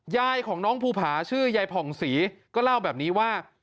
ยายของน้องภูผาชื่อยายผ่องศรีก็เล่าแบบนี้ว่า